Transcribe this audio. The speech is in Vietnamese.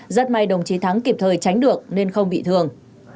rất may đồng chí thắng kịp thời tránh được nên không bị thương